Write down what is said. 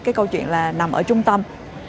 câu chuyện là nằm ở trung tâm